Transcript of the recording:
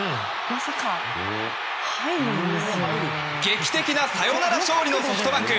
劇的なサヨナラ勝利のソフトバンク。